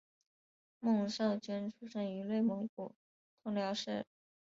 孟昭娟出生于内蒙古通辽市。